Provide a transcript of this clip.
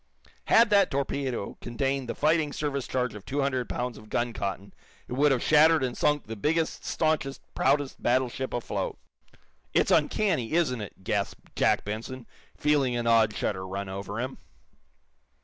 Had that torpedo contained the fighting service charge of two hundred pounds of gun cotton it would have shattered and sunk the biggest, staunchest, proudest battleship afloat. "It's uncanny isn't it?" gasped Jack Benson, feeling an odd shudder run over him.